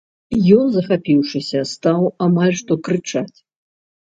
Ён, захапіўшыся, стаў амаль што крычаць.